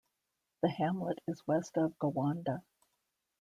The hamlet is west of Gowanda.